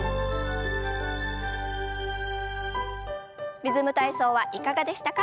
「リズム体操」はいかがでしたか？